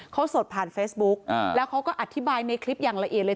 เขาสดผ่านเฟซบุ๊กแล้วเขาก็อธิบายในคลิปอย่างละเอียดเลย